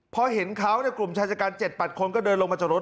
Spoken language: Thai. พอเห็นเขากลุ่มชายจัดการ๗๘คนก็เดินลงมาจากรถ